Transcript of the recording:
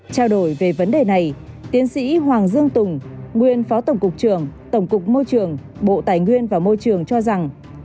trao đổi về vấn đề này tiến sĩ hoàng dương tùng nguyên phó tổng cục trường tổng cục môi trường bộ tài nguyên và môi trường cho rằng